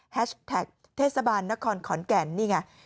แท็กเทศบาลนครขอนแก่นนี่ไง